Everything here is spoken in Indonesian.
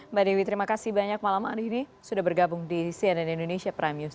mbak dewi terima kasih banyak malam hari ini sudah bergabung di cnn indonesia prime news